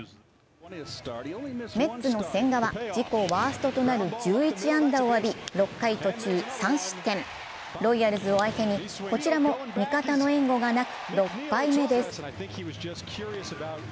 メッツの千賀は自己ワーストとなる１１安打を浴び、ロイヤルズを相手に、こちらも味方の援護がなく６敗目です。